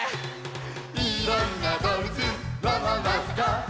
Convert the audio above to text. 「いろんなどうぶつわんわんわんさか」